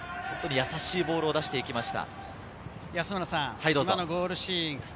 優しいボールを出していきました。